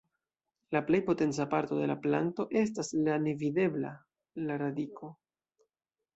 La plej potenca parto de la planto estas la nevidebla: la radiko.